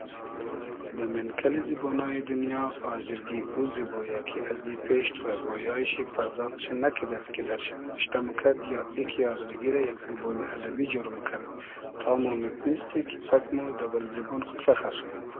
دۂ مېنکئلی زیبۉنایی دونیا آزرگی او زیبۉ یۂ کی ازی پېش تۉرۂ گۉیای شی پئرداخت شی نئکیدئد کی در شی نیمیشتۂ موکئد یا ای کی آزرگی رۂ یئگ زیبۉنی ادئبی جۉر موکئد تا مو میتینیستی کی پئگ مۉ دۂ بئل زیبۉن خو فئخر